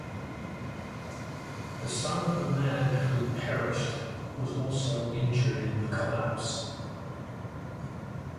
The son of the man who perished was also injured in the collapse.